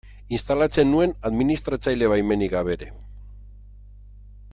Instalatzen nuen administratzaile baimenik gabe ere.